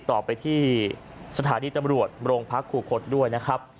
ก็ติดต่อไปที่สถานีจับรวจโรงพักษณ์ขู่ขดด้วยนะครับ